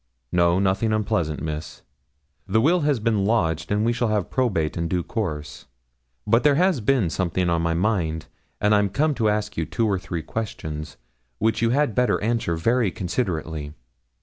'No, nothing unpleasant, Miss. The will has been lodged, and we shall have probate in due course; but there has been something on my mind, and I'm come to ask you two or three questions which you had better answer very considerately.